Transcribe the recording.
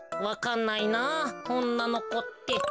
わかんないなぁおんなのこって。